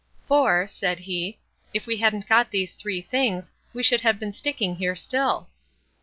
"For", said he, "if we hadn't got these three things, we should have been sticking here still."